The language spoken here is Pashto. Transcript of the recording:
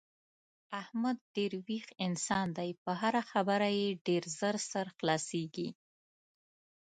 احمد ډېر ویښ انسان دی په هره خبره یې ډېر زر سر خلاصېږي.